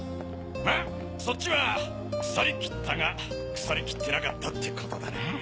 まあそっちは鎖切ったが腐りきってなかったってことだな。